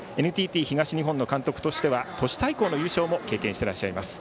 ＮＴＴ東日本の監督としては都市対抗の優勝も経験しています。